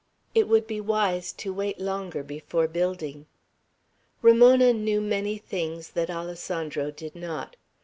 It would be wise to wait longer before building. Ramona knew many things that Alessandro did not.